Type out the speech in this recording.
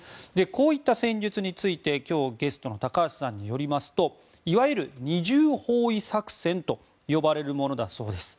こういった戦術について今日ゲストの高橋さんによりますといわゆる二重包囲作戦と呼ばれるものだそうです。